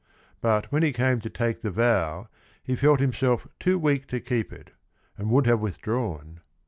But when he came to take the vow he felt himself too weak to keep it and would have withdrawn.